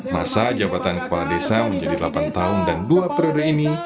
masa jabatan kepala desa menjadi delapan tahun dan dua periode ini